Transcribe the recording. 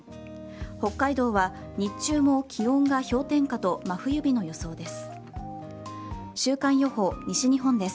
北海道は日中も気温が氷点下と真冬日の予想です。